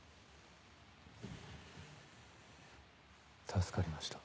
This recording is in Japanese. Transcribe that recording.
助かりました。